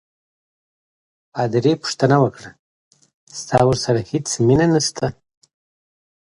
پادري پوښتنه وکړه: ستا ورسره هیڅ مینه نشته؟